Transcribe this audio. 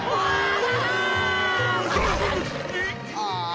ああ。